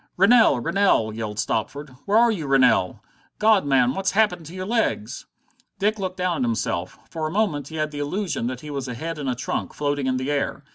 "Rennell! Rennell!" yelled Stopford. "Where are you, Rennell? God, man, what's happened to your legs?" Dick looked down at himself. For a moment he had the illusion that he was a head and a trunk, floating in the air.